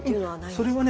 それはね